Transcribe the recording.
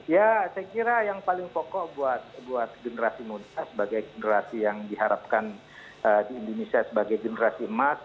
ya saya kira yang paling pokok buat generasi muda sebagai generasi yang diharapkan di indonesia sebagai generasi emas